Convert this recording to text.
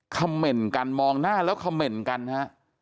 คำเม่นกันมองหน้าแล้วคำเม่นกันค่ะ